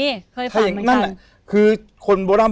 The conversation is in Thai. มีเคยฝันบางที